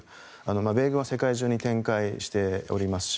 米軍は世界中に展開しておりますし